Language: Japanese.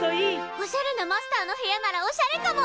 おしゃれなマスターの部屋ならおしゃれかも！